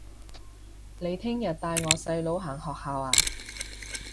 你聽日帶我細佬行學校吖